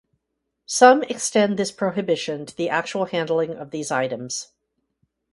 Some extend this prohibition to the actual handling of these items.